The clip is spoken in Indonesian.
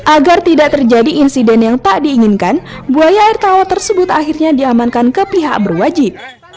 agar tidak terjadi insiden yang tak diinginkan buaya air tawa tersebut akhirnya diamankan ke pihak berwajib